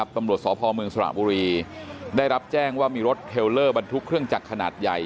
ตำรวจสพเมืองสระบุรีได้รับแจ้งว่ามีรถเทลเลอร์บรรทุกเครื่องจักรขนาดใหญ่